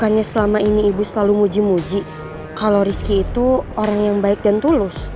anak wisataku kayak apaan bu